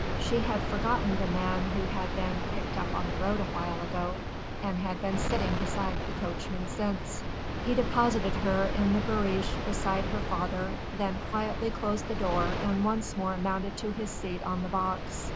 She had forgotten the man who had been picked up on the road awhile ago, and had been sitting beside the coachman since. He deposited her in the barouche beside her father, then quietly closed the door and once more mounted to his seat on the box.